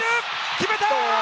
決めた！